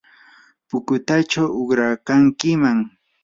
pukutaychaw uqrakankiman.